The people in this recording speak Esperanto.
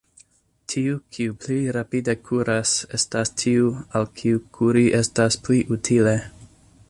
Tiu, kiu pli rapide kuras, estas tiu, al kiu kuri estas pli utile.